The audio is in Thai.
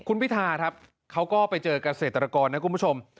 คุณพิธาครับเขาก็ไปเจอเกษตรกรนะคุณผู้ชม